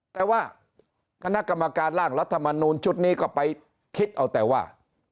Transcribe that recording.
แต่ว่าคณะกรรมการร่างรัฐมนูลชุดนี้ก็ไปคิดเอาแต่ว่า